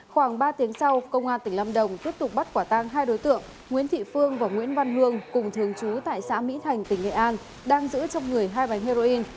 khoảng ba tiếng sau công an tỉnh lâm đồng tiếp tục bắt quả tang hai đối tượng nguyễn thị phương và nguyễn văn hương cùng thường trú tại xã mỹ thành tỉnh nghệ an đang giữ trong người hai bánh heroin